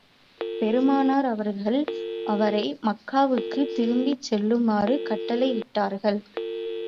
பெருமானார் அவர்கள், அவரை மக்காவுக்குத் திரும்பிச் செல்லுமாறு கட்டளையிட்டார்கள்.